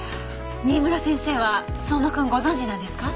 新村先生は相馬君ご存じなんですか？